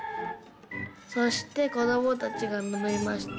そしてこどもたちがのみました。